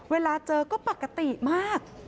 เวลาเจอก็ปกติมาก